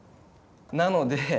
なので。